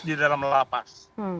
di dalam lapas